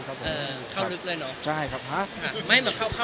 เข้าลึกเลยเหรอ